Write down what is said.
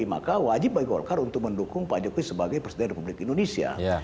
maka wajib bagi golkar untuk mendukung pak jokowi sebagai presiden republik indonesia